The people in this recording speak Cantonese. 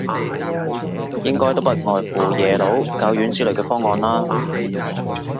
應該都不外乎耶魯、教院之類嘅方案啦